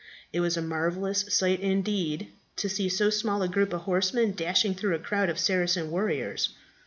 It was a marvellous sight indeed to see so small a group of horsemen dashing through a crowd of Saracen warriors.